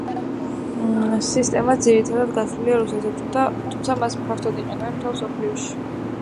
სისტემა ძირითადად გათვლილია რუსეთზე თუმცა მას ფართოდ იყენებენ მთელ მსოფლიოში.